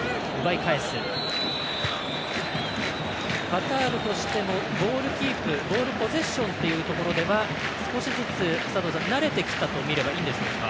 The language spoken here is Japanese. カタールとしてもボールキープボールポゼッションというところでは少しずつ慣れてきたとみればいいんでしょうか？